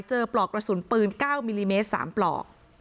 ปลอกกระสุนปืน๙มิลลิเมตร๓ปลอก